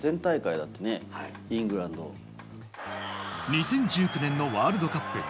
２０１９年のワールドカップ。